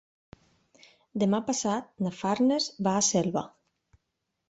Demà passat na Farners va a Selva.